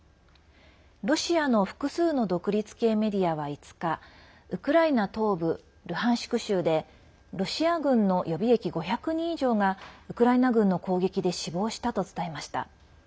ロシアの複数の独立系メディアは５日ウクライナ東部ルハンシク州でロシア軍の予備役５００人以上がウクライナ軍の攻撃で死亡したと伝えました。